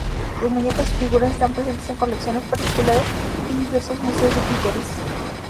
Sus muñecos y figuras están presentes en colecciones particulares y diversos museos de títeres.